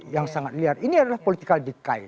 yang sangat liar ini adalah political decay